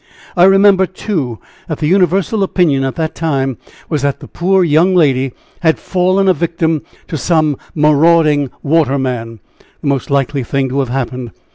I remember, too, that the universal opinion at the time was that the poor young lady had fallen a victim to some marauding waterman the most likely thing to have happened.